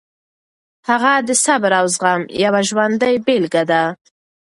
هغه د صبر او زغم یوه ژوندۍ بېلګه ده.